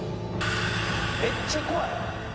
めっちゃ怖い。